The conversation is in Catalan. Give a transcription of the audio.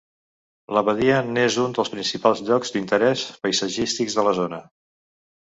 L'abadia n'és un dels principals llocs d'interès paisatgístics de la zona.